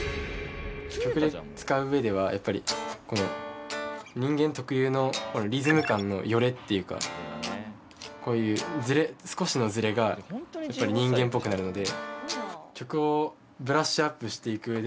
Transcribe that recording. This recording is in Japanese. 曲で使ううえではやっぱり、人間特有のリズム感のよれっていうかこういう、少しのずれがやっぱり人間っぽくなるので。